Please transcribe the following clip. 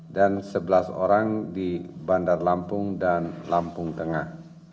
dan sebelas orang di bandar lampung dan lampung tengah